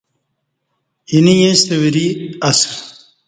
اینہ ییݩستہ وری اسہ